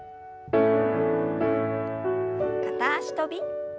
片脚跳び。